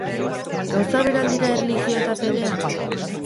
Gauza bera al dira erlijioa eta fedea?